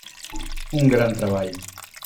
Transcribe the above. Un gran treball.